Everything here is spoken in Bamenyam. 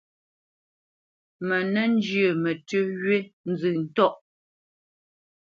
Mə nə́ njyə mətʉ́ wí nzə ntɔ̂ʼ.